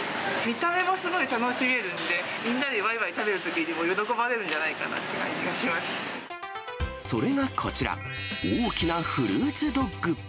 見た目もすごい楽しめるんで、みんなでわいわい食べるときにも喜ばれるんじゃないかなって感じそれがこちら、大きなフルーツドッグ。